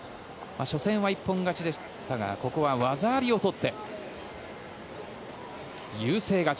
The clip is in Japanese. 初戦は一本勝ちでしたがここは技ありを取って優勢勝ち。